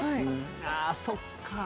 ああ、そっか。